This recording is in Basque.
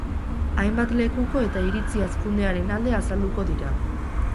Hainbat lekuko eta iritzi hazkundearen alde azalduko dira.